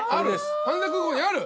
羽田空港にある？